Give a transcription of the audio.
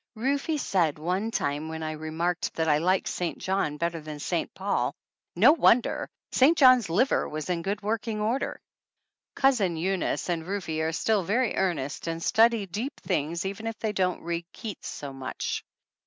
Rufe said one time when I re marked that I liked St. John better than St. Paul : "No wonder ! St. John's liver was in good working order !" Cousin Eunice and Rufe are still very earnest and study deep things, even if they don't read Keats so much.